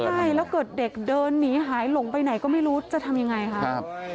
ใช่แล้วเกิดเด็กเดินหนีหายหลงไปไหนก็ไม่รู้จะทำยังไงครับ